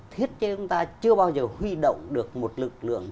thiết chế chúng ta chưa bao giờ huy động được một lực lượng